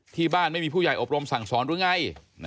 ไม่มีผู้ใหญ่อบรมสั่งสอนหรือไง